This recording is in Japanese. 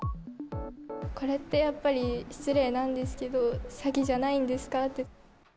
これってやっぱり、失礼なんですけど、詐欺じゃないんですかって。